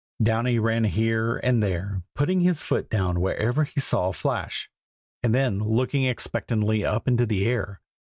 Downy ran here and there, putting his foot down wherever he saw a flash, and then looking expectantly up into the air.